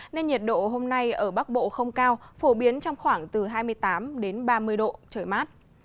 nên nhiệt độ hôm nay ở bắc bộ không cao phổ biến trong khoảng từ hai mươi tám ba mươi độ trời mát